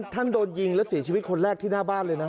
โดนยิงและเสียชีวิตคนแรกที่หน้าบ้านเลยนะ